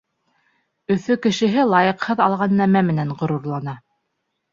Өфө кешеһе лайыҡһыҙ алған нәмә менән ғорурлана.